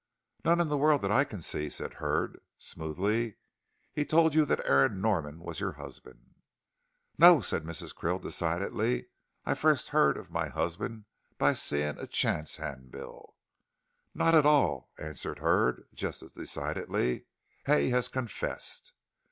"None in the world that I can see," said Hurd, smoothly. "He told you that Aaron Norman was your husband." "No," said Mrs. Krill, decidedly, "I first heard of my husband by seeing a chance hand bill " "Not at all," answered Hurd, just as decidedly, "Hay has confessed."